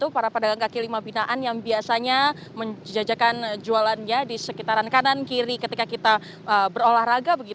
para pedagang kaki lima binaan yang biasanya menjajakan jualannya di sekitaran kanan kiri ketika kita berolahraga